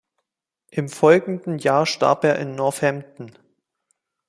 Im folgenden Jahr starb er in Northampton.